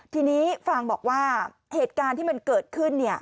ทีนี้ฟางบอกว่าเหตุการณ์ที่มันเกิดขึ้น